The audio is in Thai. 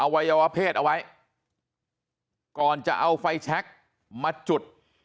วัยวะเพศเอาไว้ก่อนจะเอาไฟแชคมาจุด